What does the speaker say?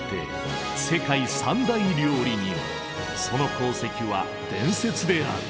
その功績は伝説である。